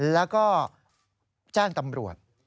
แล้วก็แจ้งตำรวจ